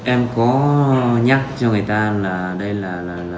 em có nhắc cho người ta là đây là